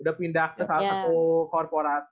udah pindah ke salah satu korporat